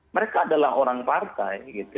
mereka adalah orang partai